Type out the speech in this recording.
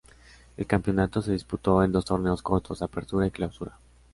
El campeonato se disputó en dos torneos cortos: Apertura y Clausura.